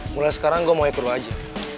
mulai sekarang gue mau ikut lo aja